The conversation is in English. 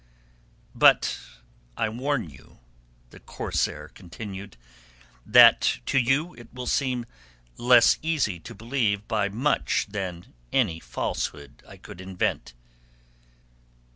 "But I warn you," the corsair continued, "that to you it will seem less easy to believe by much than any falsehood I could invent.